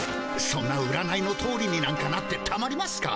そんな占いのとおりになんかなってたまりますか。